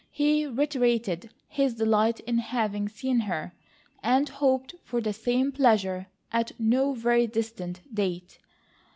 He reiterated his delight in having seen her, and hoped for the same pleasure at no very distant date.